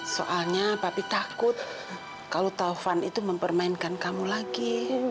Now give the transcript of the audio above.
soalnya papi takut kalau taufan itu mempermainkan kamu lagi